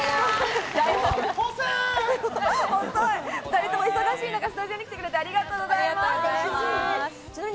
２人とも忙しい中、スタジオに来てくれてありがとうございます。